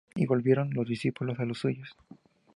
Y volvieron los discípulos a los suyos.